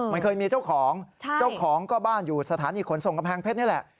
มันเคยมีเจ้าของเจ้าของก็บ้านอยู่สถานีขนส่งกำแพงเพชรนี่แหละ